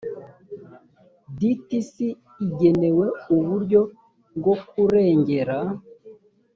dts agenewe uburyo bwo kurengera